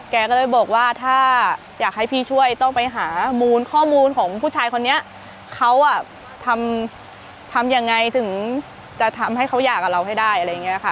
แกก็เลยบอกว่าถ้าอยากให้พี่ช่วยต้องไปหามูลข้อมูลของผู้ชายคนนี้เขาอ่ะทำทำยังไงถึงจะทำให้เขาอยากกับเราให้ได้อะไรอย่างนี้ค่ะ